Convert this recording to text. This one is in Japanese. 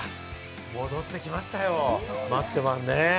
戻ってきましたよ、マッチョマンね。